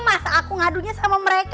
masa aku ngadunya sama mereka